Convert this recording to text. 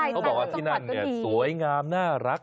ใช่ทั้งหมดก็ดีเขาบอกว่าที่นั่นสวยงามน่ารัก